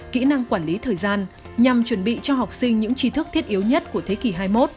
kỹ năng quản lý thời gian nhằm chuẩn bị cho học sinh những trí thức thiết yếu nhất của thế kỷ hai mươi một